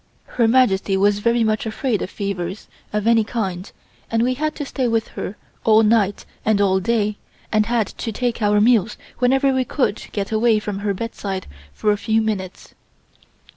Her Majesty was very much afraid of fevers of any kind and we had to stay with her all night and all day and had to take our meals whenever we could get away from her bedside for a few minutes.